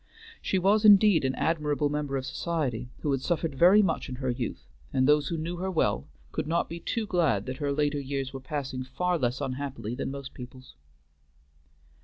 She was indeed an admirable member of society, who had suffered very much in her youth, and those who knew her well could not be too glad that her later years were passing far less unhappily than most people's.